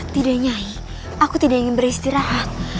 tidak nyahi aku tidak ingin beristirahat